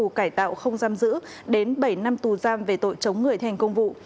tù cải tạo không giam giữ đến bảy năm tù giam về tội chống người thành công vụ